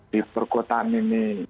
di perkotaan ini